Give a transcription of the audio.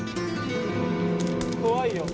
怖いよ。